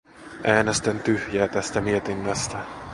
Äänestän tyhjää tästä mietinnöstä.